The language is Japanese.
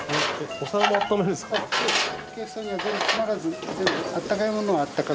お皿も温めるんですか？